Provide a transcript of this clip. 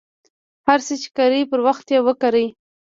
هر څه ،چې کرئ پر وخت یې وکرئ.